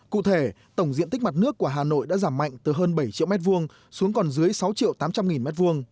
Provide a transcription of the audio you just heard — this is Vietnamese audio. cụ thể tổng diện tích mặt nước của hà nội đã giảm mạnh từ hơn bảy triệu m hai xuống còn dưới sáu triệu tám trăm linh nghìn m hai